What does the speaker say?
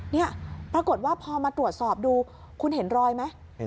เนี่ยปรากฏว่าพอมาตรวจสอบดูคุณเห็นรอยไหม